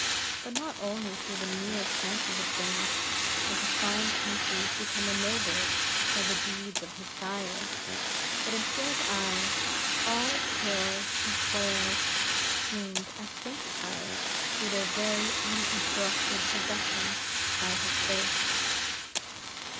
But not only through the mere chances of things, had that fine country become ennobled by the deeds of his sires, but in Pierre's eyes, all its hills and swales seemed as sanctified through their very long uninterrupted possession by his race.